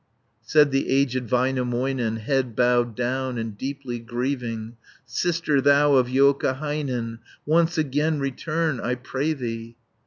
Said the aged Väinämöinen, Head bowed down, and deeply grieving, "Sister thou of Joukahainen, Once again return, I pray thee."